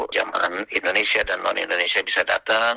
jamaah indonesia dan non indonesia bisa datang